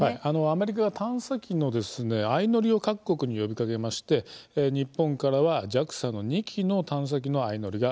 アメリカが探査機の相乗りを各国に呼びかけまして日本からはＪＡＸＡの２機の探査機の相乗りが決まりました。